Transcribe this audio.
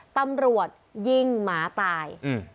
ตำรวจยิงหมาตาย